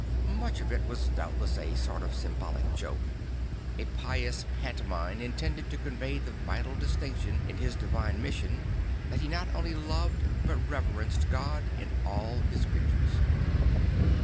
Much of it was doubtless a sort of symbolic joke, a pious pantomime intended to convey the vital distinction in his divine mission, that he not only loved but reverenced God in all his creatures.